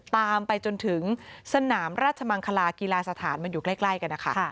ตามไปจนถึงสนามราชมังคลากีฬาสถานมันอยู่ใกล้กันนะคะ